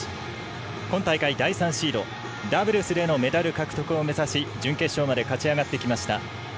今大会第３シードダブルスでのメダル獲得を目指し準決勝まで勝ち上がってきました。